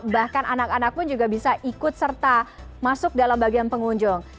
bahkan anak anak pun juga bisa ikut serta masuk dalam bagian pengunjung